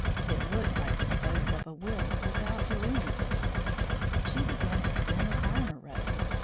It looked like the spokes of a wheel without the rim. She began to spin a finer rope.